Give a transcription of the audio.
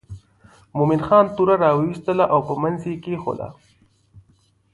مومن خان توره را وایستله او په منځ یې کېښووله.